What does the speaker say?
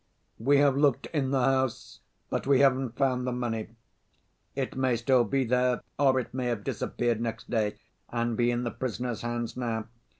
"We have looked in the house, but we haven't found the money. It may still be there or it may have disappeared next day and be in the prisoner's hands now.